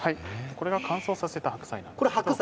これが乾燥させた白菜です。